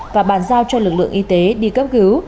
và bàn giao cho lực lượng y tế đi cấp cứu